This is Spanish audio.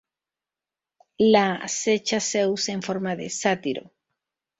La acecha Zeus en forma de sátiro.